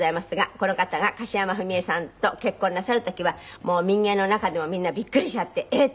この方が樫山文枝さんと結婚なさる時はもう民藝の中でもみんなびっくりしちゃって「えっ！」